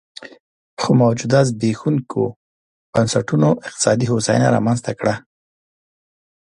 خو موجوده زبېښونکو بنسټونو اقتصادي هوساینه رامنځته کړه